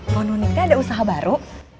pernah nikah ada usaha baru